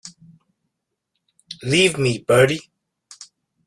Leave me, Bertie.